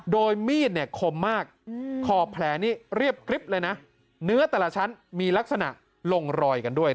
โดยมีดเนี่ยคมมากขอบแผลนี่เรียบกริ๊บเลยนะเนื้อแต่ละชั้นมีลักษณะลงรอยกันด้วย